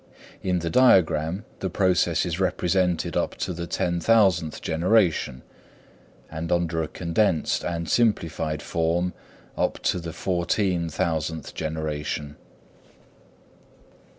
In the diagram the process is represented up to the ten thousandth generation, and under a condensed and simplified form up to the fourteen thousandth generation.